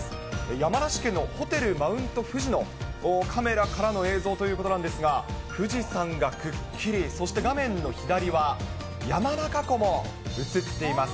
山梨県のホテルマウント富士のカメラからの映像ということなんですが、富士山がくっきり、そして、画面の左は、山中湖も映っています。